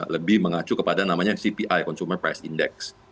lebih mengacu kepada namanya cpi consumer price index